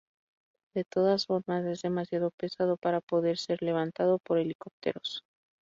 De todas formas es demasiado pesado para poder ser levantado por helicópteros.